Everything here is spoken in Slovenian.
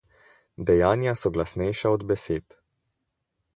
Dejanja so glasnejša od besed.